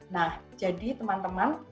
nah jadi teman teman